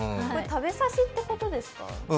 食べさしっていうことですか？